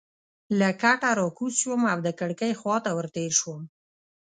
له کټه راکوز شوم او د کړکۍ خوا ته ورتېر شوم.